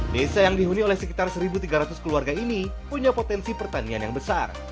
desa yang dihuni oleh sekitar satu tiga ratus keluarga ini punya potensi pertanian yang besar